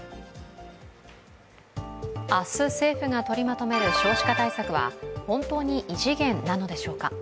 明日、政府がとりまとめる少子化対策は、本当に異次元なのでしょうか。